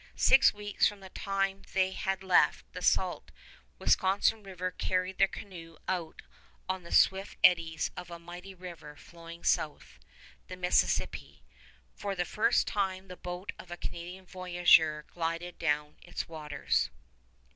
Six weeks from the time they had left the Sault, Wisconsin River carried their canoe out on the swift eddies of a mighty river flowing south, the Mississippi. For the first time the boat of a Canadian voyageur glided down its waters.